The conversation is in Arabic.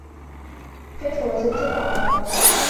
كَيْفَ وَجَدْتَ طَعْمَهَا ؟